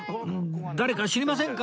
誰か知りませんか？